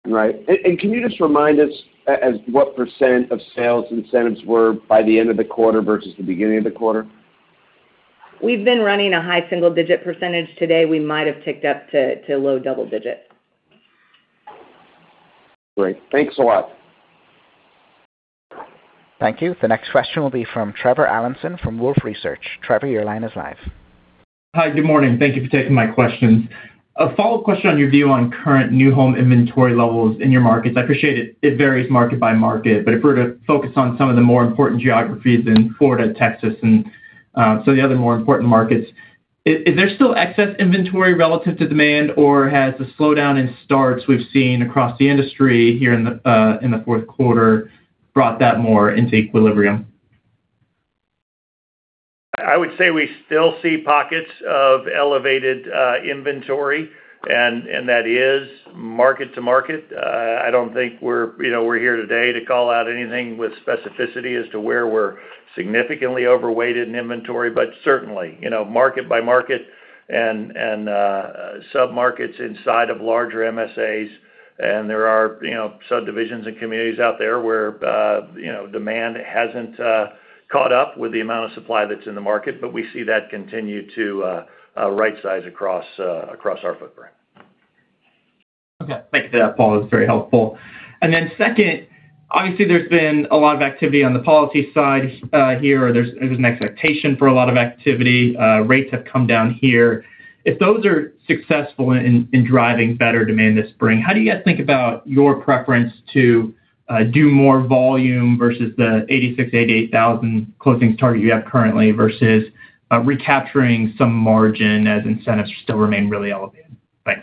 [SPEAKER 14] Right. And can you just remind us what percent of sales incentives were by the end of the quarter versus the beginning of the quarter?
[SPEAKER 2] We've been running a high single-digit percentage today. We might have ticked up to low double-digit.
[SPEAKER 14] Great. Thanks a lot.
[SPEAKER 1] Thank you. The next question will be from Trevor Allinson from Wolfe Research. Trevor, your line is live.
[SPEAKER 15] Hi. Good morning. Thank you for taking my questions. A follow-up question on your view on current new home inventory levels in your markets. I appreciate it varies market by market, but if we were to focus on some of the more important geographies in Florida, Texas, and some of the other more important markets, is there still excess inventory relative to demand, or has the slowdown in starts we've seen across the industry here in the fourth quarter brought that more into equilibrium?
[SPEAKER 3] I would say we still see pockets of elevated inventory, and that is market by market. I don't think we're here today to call out anything with specificity as to where we're significantly overweighted in inventory, but certainly market by market and sub-markets inside of larger MSAs, and there are subdivisions and communities out there where demand hasn't caught up with the amount of supply that's in the market, but we see that continue to right-size across our footprint.
[SPEAKER 15] Okay. Thank you for that, Paul. It's very helpful. And then second, obviously, there's been a lot of activity on the policy side here. There's an expectation for a lot of activity. Rates have come down here. If those are successful in driving better demand this spring, how do you guys think about your preference to do more volume versus the 86,000, 88,000 closings target you have currently versus recapturing some margin as incentives still remain really elevated? Thanks.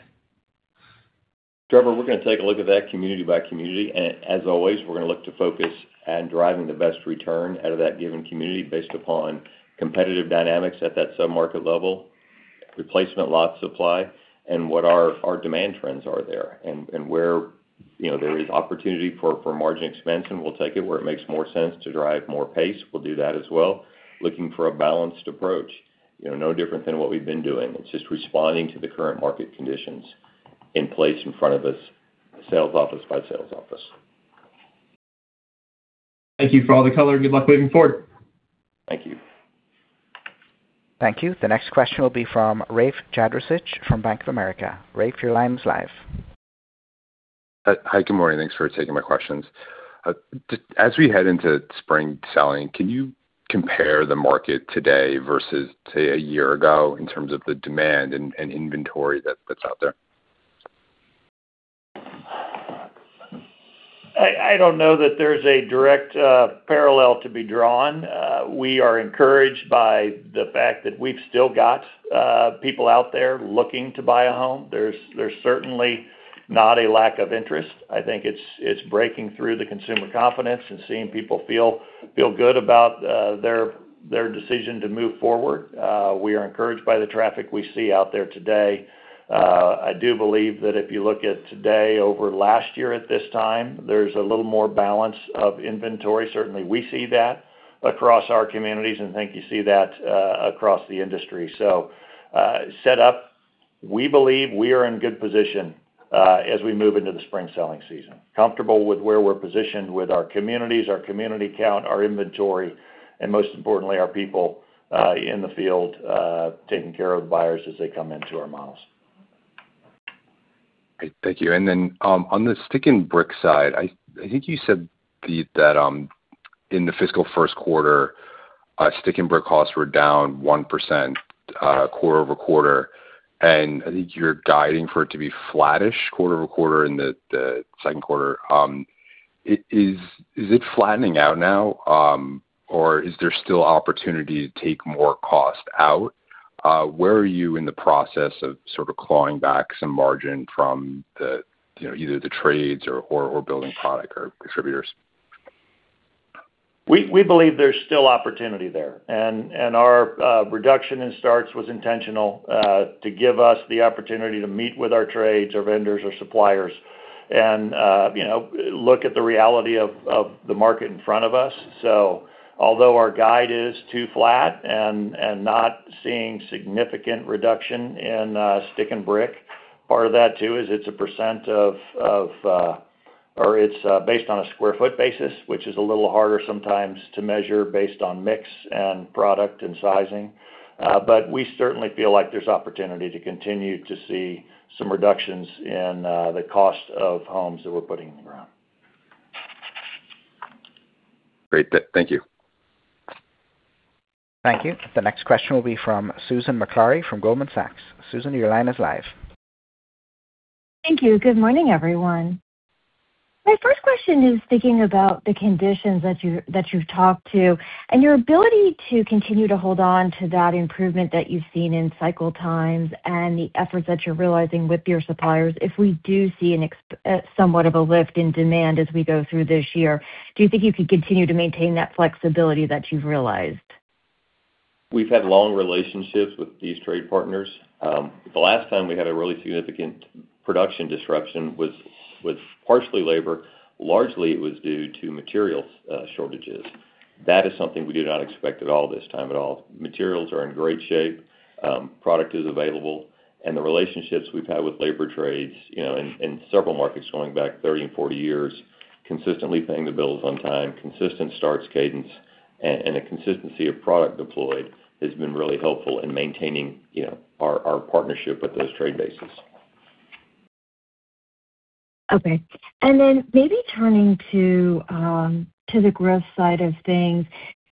[SPEAKER 4] Trevor, we're going to take a look at that community by community, and as always, we're going to look to focus on driving the best return out of that given community based upon competitive dynamics at that sub-market level, replacement lot supply, and what our demand trends are there and where there is opportunity for margin expansion. We'll take it where it makes more sense to drive more pace. We'll do that as well. Looking for a balanced approach, no different than what we've been doing. It's just responding to the current market conditions in place in front of us, sales office by sales office.
[SPEAKER 15] Thank you for all the color. Good luck moving forward.
[SPEAKER 4] Thank you.
[SPEAKER 1] Thank you. The next question will be from Rafe Jadrosich from Bank of America. Rafe, your line is live.
[SPEAKER 16] Hi. Good morning. Thanks for taking my questions. As we head into spring selling, can you compare the market today versus, say, a year ago in terms of the demand and inventory that's out there?
[SPEAKER 3] I don't know that there's a direct parallel to be drawn. We are encouraged by the fact that we've still got people out there looking to buy a home. There's certainly not a lack of interest. I think it's breaking through the consumer confidence and seeing people feel good about their decision to move forward. We are encouraged by the traffic we see out there today. I do believe that if you look at today over last year at this time, there's a little more balance of inventory. Certainly, we see that across our communities and think you see that across the industry. So set up, we believe we are in good position as we move into the spring selling season. Comfortable with where we're positioned with our communities, our community count, our inventory, and most importantly, our people in the field taking care of the buyers as they come into our models.
[SPEAKER 16] Thank you. And then on the stick-and-brick side, I think you said that in the fiscal first quarter, stick-and-brick costs were down 1% quarter over quarter. And I think you're guiding for it to be flattish quarter over quarter in the second quarter. Is it flattening out now, or is there still opportunity to take more cost out? Where are you in the process of sort of clawing back some margin from either the trades or building product or distributors?
[SPEAKER 3] We believe there's still opportunity there, and our reduction in starts was intentional to give us the opportunity to meet with our trades, our vendors, our suppliers, and look at the reality of the market in front of us, so although our guide is too flat and not seeing significant reduction in stick-and-brick, part of that too is it's a percent of or it's based on a square foot basis, which is a little harder sometimes to measure based on mix and product and sizing, but we certainly feel like there's opportunity to continue to see some reductions in the cost of homes that we're putting in the ground.
[SPEAKER 16] Great. Thank you.
[SPEAKER 1] Thank you. The next question will be from Susan Maklari from Goldman Sachs. Susan, your line is live.
[SPEAKER 17] Thank you. Good morning, everyone. My first question is thinking about the conditions that you've talked to and your ability to continue to hold on to that improvement that you've seen in cycle times and the efforts that you're realizing with your suppliers. If we do see somewhat of a lift in demand as we go through this year, do you think you could continue to maintain that flexibility that you've realized?
[SPEAKER 4] We've had long relationships with these trade partners. The last time we had a really significant production disruption was partially labor. Largely, it was due to material shortages. That is something we did not expect at all this time at all. Materials are in great shape. Product is available, and the relationships we've had with labor trades in several markets going back 30 years, 40 years, consistently paying the bills on time, consistent starts cadence, and the consistency of product deployed has been really helpful in maintaining our partnership with those trade bases.
[SPEAKER 17] Okay. And then maybe turning to the growth side of things,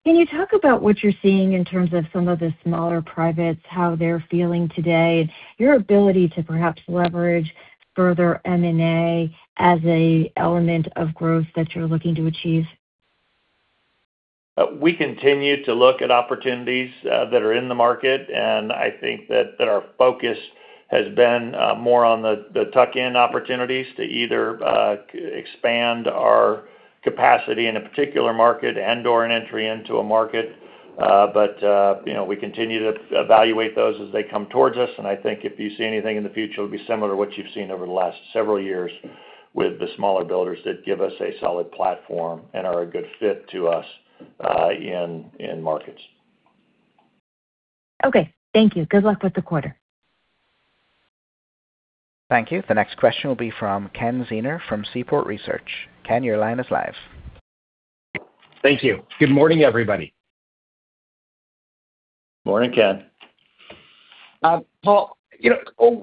[SPEAKER 17] can you talk about what you're seeing in terms of some of the smaller privates, how they're feeling today, and your ability to perhaps leverage further M&A as an element of growth that you're looking to achieve?
[SPEAKER 3] We continue to look at opportunities that are in the market, and I think that our focus has been more on the tuck-in opportunities to either expand our capacity in a particular market and/or an entry into a market, but we continue to evaluate those as they come towards us, and I think if you see anything in the future, it'll be similar to what you've seen over the last several years with the smaller builders that give us a solid platform and are a good fit to us in markets.
[SPEAKER 17] Okay. Thank you. Good luck with the quarter.
[SPEAKER 1] Thank you. The next question will be from Ken Zener from Seaport Research. Ken, your line is live.
[SPEAKER 18] Thank you. Good morning, everybody.
[SPEAKER 4] Morning, Ken.
[SPEAKER 18] Paul,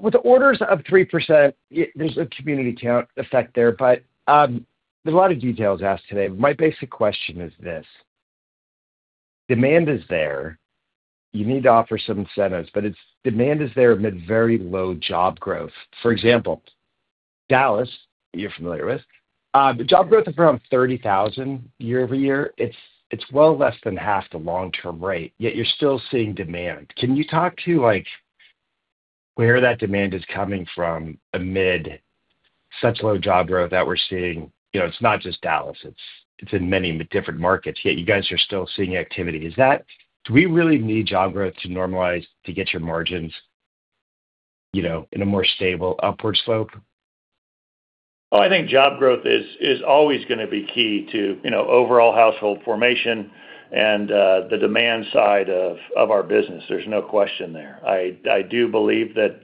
[SPEAKER 18] with orders of 3%, there's a community count effect there, but there's a lot of details asked today. My basic question is this: demand is there. You need to offer some incentives, but demand is there amid very low job growth. For example, Dallas, you're familiar with. Job growth is around 30,000 year over year. It's well less than half the long-term rate, yet you're still seeing demand. Can you talk to where that demand is coming from amid such low job growth that we're seeing? It's not just Dallas. It's in many different markets. Yet you guys are still seeing activity. Do we really need job growth to normalize to get your margins in a more stable upward slope?
[SPEAKER 3] I think job growth is always going to be key to overall household formation and the demand side of our business. There's no question there. I do believe that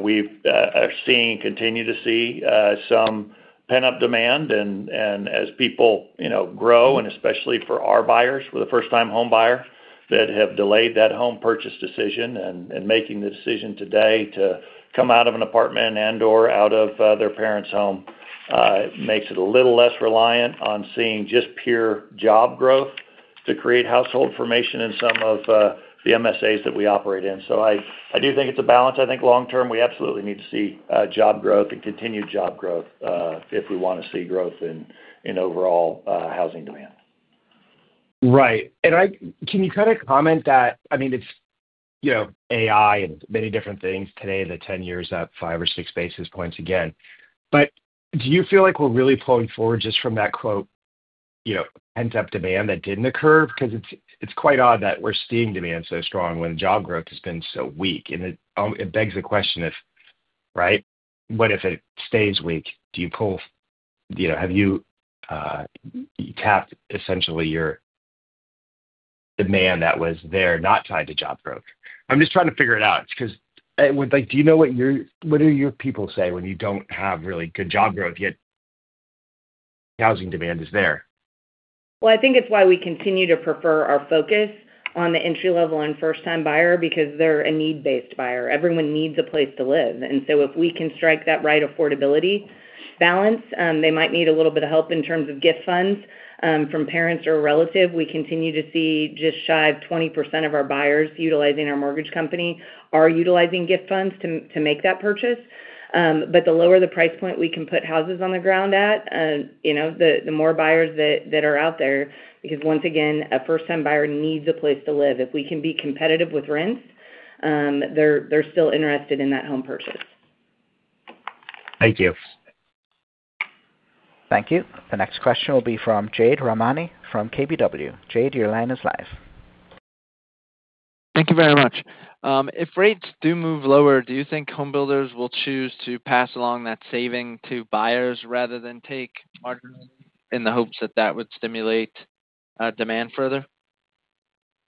[SPEAKER 3] we continue to see some pent-up demand. As people grow, and especially for our buyers, for the first-time home buyers that have delayed that home purchase decision and making the decision today to come out of an apartment and/or out of their parents' home, it makes it a little less reliant on seeing just pure job growth to create household formation in some of the MSAs that we operate in. I do think it's a balance. I think long-term, we absolutely need to see job growth and continued job growth if we want to see growth in overall housing demand.
[SPEAKER 18] Right. And can you kind of comment that I mean, it's AI and many different things today that 10 year up five or six basis points again. But do you feel like we're really pulling forward just from that quote, pent-up demand that didn't occur? Because it's quite odd that we're seeing demand so strong when job growth has been so weak. And it begs the question, right? What if it stays weak? Do you pull? Have you tapped essentially your demand that was there not tied to job growth? I'm just trying to figure it out because do you know what your people say when you don't have really good job growth yet housing demand is there?
[SPEAKER 2] I think it's why we continue to prefer our focus on the entry-level and first-time buyer because they're a need-based buyer. Everyone needs a place to live. And so if we can strike that right affordability balance, they might need a little bit of help in terms of gift funds from parents or a relative. We continue to see just shy of 20% of our buyers utilizing our mortgage company are utilizing gift funds to make that purchase. But the lower the price point we can put houses on the ground at, the more buyers that are out there because once again, a first-time buyer needs a place to live. If we can be competitive with rents, they're still interested in that home purchase.
[SPEAKER 18] Thank you.
[SPEAKER 1] Thank you. The next question will be from Jade Rahmani from KBW. Jade, your line is live.
[SPEAKER 19] Thank you very much. If rates do move lower, do you think home builders will choose to pass along that savings to buyers rather than take margins in the hopes that that would stimulate demand further?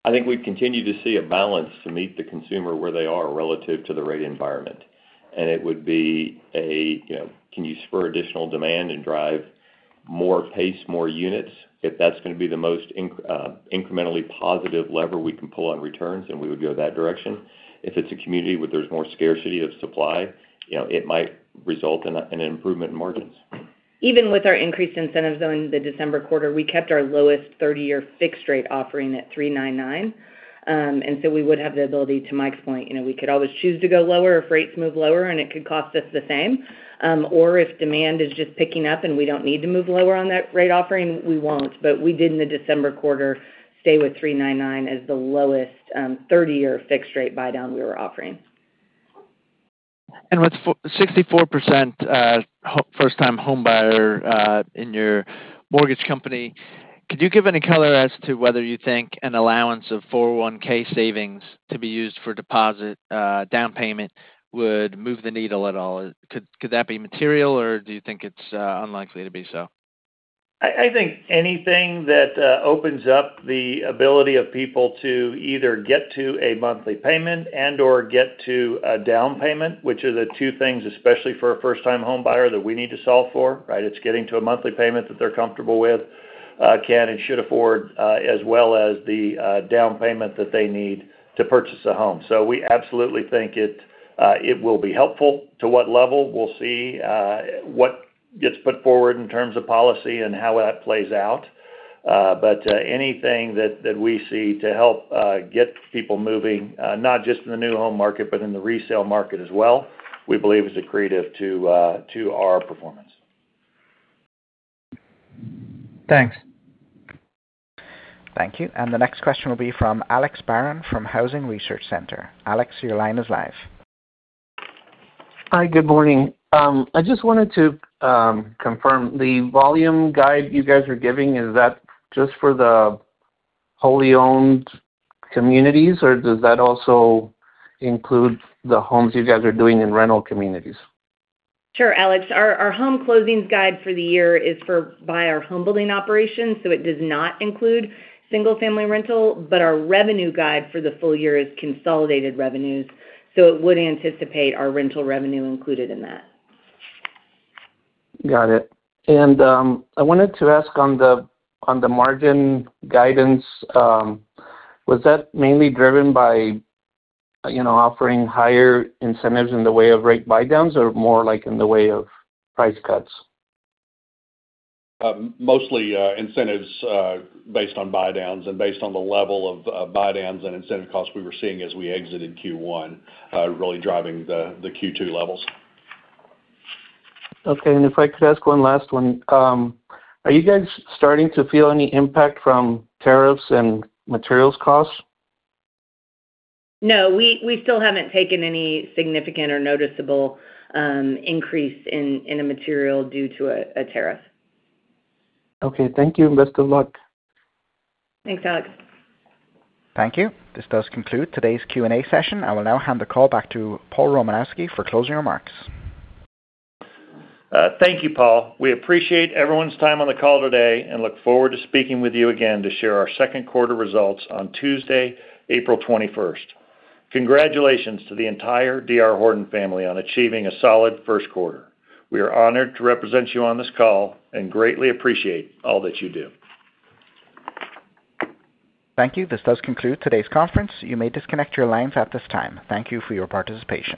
[SPEAKER 4] I think we continue to see a balance to meet the consumer where they are relative to the rate environment. And it would be a can you spur additional demand and drive more pace, more units? If that's going to be the most incrementally positive lever we can pull on returns, then we would go that direction. If it's a community where there's more scarcity of supply, it might result in an improvement in margins.
[SPEAKER 2] Even with our increased incentives in the December quarter, we kept our lowest 30-year fixed-rate offering at 3.99%, and so we would have the ability, to Mike's point, we could always choose to go lower if rates move lower, and it could cost us the same, or if demand is just picking up and we don't need to move lower on that rate offering, we won't, but we did in the December quarter stay with 3.99% as the lowest 30-year fixed-rate buy-down we were offering.
[SPEAKER 19] With 64% first-time home buyer in your mortgage company, could you give any color as to whether you think an allowance of 401(k) savings to be used for deposit down payment would move the needle at all? Could that be material, or do you think it's unlikely to be so?
[SPEAKER 3] I think anything that opens up the ability of people to either get to a monthly payment and/or get to a down payment, which are the two things, especially for a first-time home buyer, that we need to solve for, right? It's getting to a monthly payment that they're comfortable with, can and should afford, as well as the down payment that they need to purchase a home. So we absolutely think it will be helpful to what level. We'll see what gets put forward in terms of policy and how that plays out. But anything that we see to help get people moving, not just in the new home market, but in the resale market as well, we believe is accretive to our performance.
[SPEAKER 19] Thanks.
[SPEAKER 1] Thank you. And the next question will be from Alex Barron from Housing Research Center. Alex, your line is live.
[SPEAKER 20] Hi. Good morning. I just wanted to confirm the volume guide you guys are giving, is that just for the wholly owned communities, or does that also include the homes you guys are doing in rental communities?
[SPEAKER 2] Sure, Alex. Our home closings guide for the year is for our home building operations, so it does not include single-family rental, but our revenue guide for the full year is consolidated revenues. It would anticipate our rental revenue included in that.
[SPEAKER 20] Got it. And I wanted to ask on the margin guidance, was that mainly driven by offering higher incentives in the way of rate buy-downs or more like in the way of price cuts?
[SPEAKER 4] Mostly incentives based on buy-downs and based on the level of buy-downs and incentive costs we were seeing as we exited Q1, really driving the Q2 levels.
[SPEAKER 20] Okay, and if I could ask one last one, are you guys starting to feel any impact from tariffs and materials costs?
[SPEAKER 2] No. We still haven't taken any significant or noticeable increase in a material due to a tariff.
[SPEAKER 20] Okay. Thank you. Best of luck.
[SPEAKER 2] Thanks, Alex.
[SPEAKER 1] Thank you. This does conclude today's Q&A session. I will now hand the call back to Paul Romanowski for closing remarks.
[SPEAKER 3] Thank you, Paul. We appreciate everyone's time on the call today and look forward to speaking with you again to share our second quarter results on Tuesday, April 21st. Congratulations to the entire D.R. Horton family on achieving a solid first quarter. We are honored to represent you on this call and greatly appreciate all that you do.
[SPEAKER 1] Thank you. This does conclude today's conference. You may disconnect your lines at this time. Thank you for your participation.